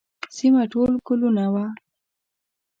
سیمه ټول ګلونه وه.